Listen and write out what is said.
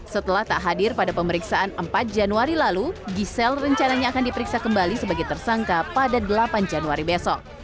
setelah tak hadir pada pemeriksaan empat januari lalu giselle rencananya akan diperiksa kembali sebagai tersangka pada delapan januari besok